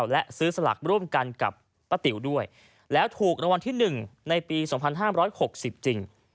และซื้อสลักร่วมกันกับป้าติ๋วด้วยแล้วถูกรางวัลที่๑ในปี๒๕๖๐จริง